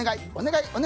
お願い！